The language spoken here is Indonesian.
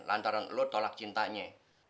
lantaran lo tolak cintanya